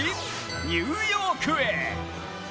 ニューヨークへ。